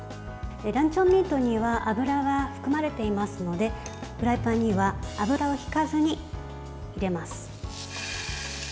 ランチョンミートには油が含まれていますのでフライパンには油をひかずに入れます。